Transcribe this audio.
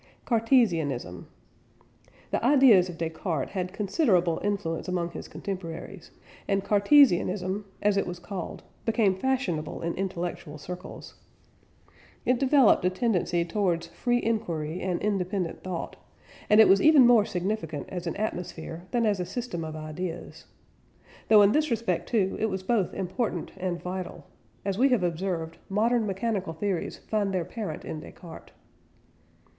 CARTESIANISM. The ideas of Descartes had considerable influence among his contemporaries, and Cartesianism, as it was called, became fashionable in intellectual circles. It developed a tendency towards free enquiry and independent thought; and it was even more significant as an atmosphere than as a system of ideas. Though in this respect too, it was both important and vital; as we have observed, modern mechanical theories find their parent in Descartes.